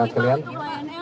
baik ya rekan rekan kalian